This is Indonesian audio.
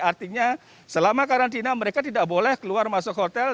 artinya selama karantina mereka tidak boleh keluar masuk hotel